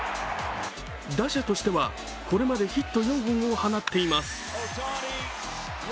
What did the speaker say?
打者としては、これまでヒット４本を放っています。